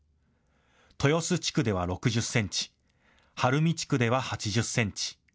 豊洲地区では６０センチ、晴海地区では８０センチ。